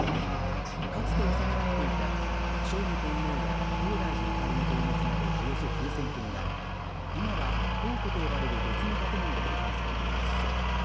かつて収められていた聖武天皇や東大寺ゆかりの宝物などおよそ９０００件は今は宝庫と呼ばれる別の建物で保管されています。